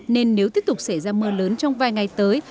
nên nếu tiếp tục xảy ra mưa lớn trong vài ngày tới